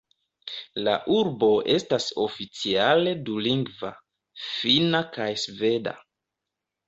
La urbo estas oficiale dulingva, Finna kaj Sveda.